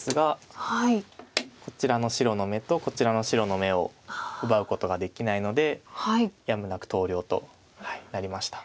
こちらの白の眼とこちらの白の眼を奪うことができないのでやむなく投了となりました。